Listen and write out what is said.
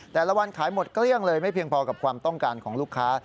แต่ละวันขายหมดเกลี้ยงเลยไม่เพียงพอกับความต้องการของลูกค้า